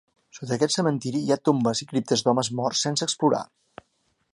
Sota aquest cementiri hi ha tombes i criptes d'homes morts sense explorar.